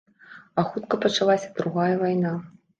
А хутка пачалася другая вайна.